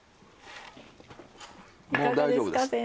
もう大丈夫です。